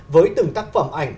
với từng tác phẩm ảnh